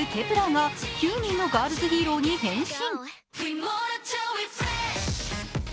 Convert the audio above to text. １ｅｒが９人のガールズヒーローに変身。